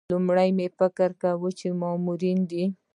لومړی مې فکر وکړ مامورینې دي.